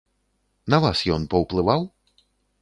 На вас ён паўплываў?